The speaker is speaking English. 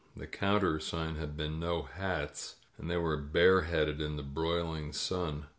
The countersign had been "no hats," and they were bare headed in the broiling sun.